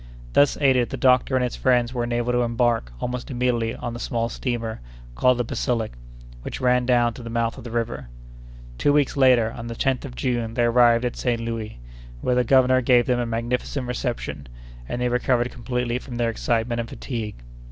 Thus aided, the doctor and his friends were enabled to embark almost immediately on the small steamer called the Basilic, which ran down to the mouth of the river. Two weeks later, on the 10th of June, they arrived at Saint Louis, where the governor gave them a magnificent reception, and they recovered completely from their excitement and fatigue.